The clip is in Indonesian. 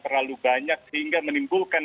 terlalu banyak sehingga menimbulkan